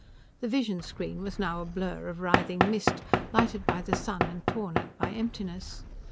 The vision screen was now a blur of writhing mist, lighted by the sun and torn at by emptiness.